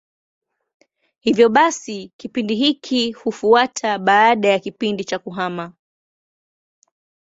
Hivyo basi kipindi hiki hufuata baada ya kipindi cha kuhama.